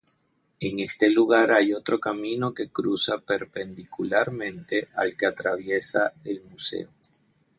En este lugar hay otro camino que cruza perpendicularmente al que atraviesa el museo.